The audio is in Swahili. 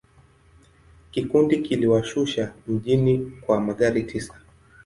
Kikundi kiliwashusha mjini kwa magari tisa.